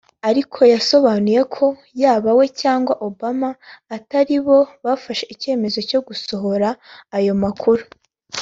Ariko yasobanuye ko yaba we cg Obama ataribo bafashe icyemezo cyo gusohora ayo makuru